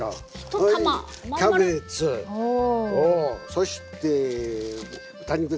そして豚肉だな。